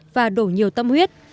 và đổ nhiều tâm lý